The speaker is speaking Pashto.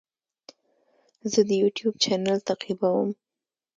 زه د یوټیوب چینل تعقیبوم.